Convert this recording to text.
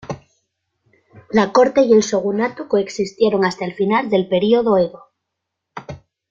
La corte y el shogunato coexistieron hasta el final del período Edo.